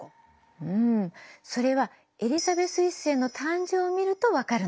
うんそれはエリザベス１世の誕生を見ると分かるの。